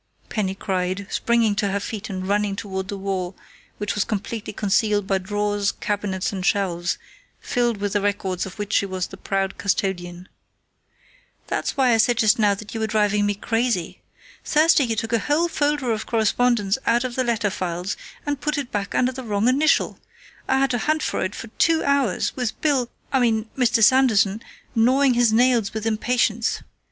Penny cried, springing to her feet and running toward the wall which was completely concealed by drawers, cabinets and shelves, filled with the records of which she was the proud custodian. "That's why I said just now that you were driving me crazy. Thursday you took a whole folder of correspondence out of the letter files and put it back under the wrong initial. I had to hunt for it for two hours, with Bill I mean, Mr. Sanderson gnawing his nails with impatience.